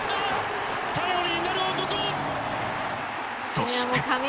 そして。